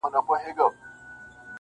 ګټه نسي کړلای دا دي بهانه ده,